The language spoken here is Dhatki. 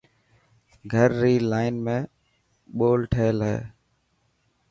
گهر ري لان ۾ ٻول ٺهيل هي.